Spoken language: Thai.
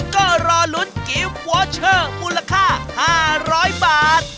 ก็รอลุ้นกิฟต์วอเชอร์มูลค่า๕๐๐บาท